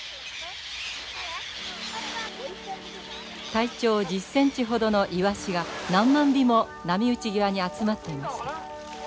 体長１０ｃｍほどのイワシが何万尾も波打ち際に集まっていました。